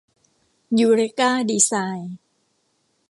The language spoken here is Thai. ยูเรกา ดีไซน์